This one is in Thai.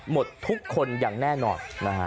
หมดทุกคนอย่างแน่นอน